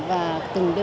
và các quận huyện